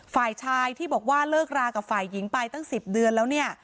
ฝ่ายชายที่บอกว่าเลิกรากับฝ่ายหญิงไปตั้ง๑๐เดือนแล้วเนี่ย